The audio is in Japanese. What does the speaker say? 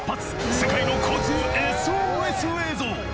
世界の交通ＳＯＳ映像！